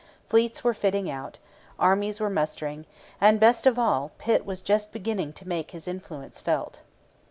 Fleets were fitting out. Armies were mustering. And, best of all, Pitt was just beginning to make his influence felt.